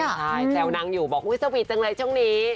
เจ้านางอยู่บอกว่าสวีทจังเลยช่วงนี้